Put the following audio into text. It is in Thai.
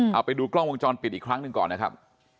เอาไปดูกล้องวงจรปิดอีกครั้งหนึ่งก่อนนะครับ